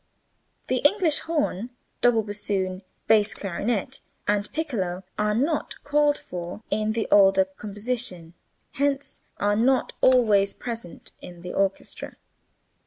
The English horn, double bassoon, bass clarinet, and piccolo are not called for in the older compositions, hence are not always present in the orchestra.